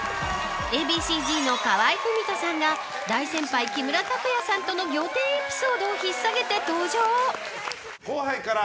ＡＢＣ‐Ｚの河合郁人さんが大先輩・木村拓哉さんとの仰天エピソードを引っさげて登場。